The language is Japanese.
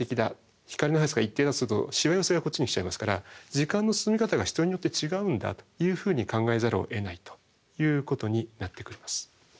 光の速さが一定だとするとしわ寄せがこっちに来ちゃいますから時間の進み方が人によって違うんだというふうに考えざるをえないということになってきます。